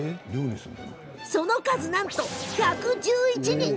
その数、なんと１１１人。